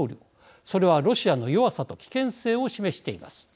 それはロシアの弱さと危険性を示しています。